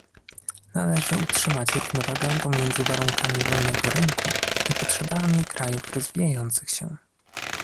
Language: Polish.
Należy utrzymać równowagę pomiędzy warunkami wolnego rynku i potrzebami krajów rozwijających się